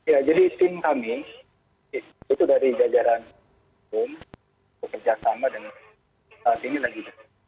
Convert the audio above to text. ya jadi tim kami itu dari jajaran hukum bekerja sama dengan saat ini lagi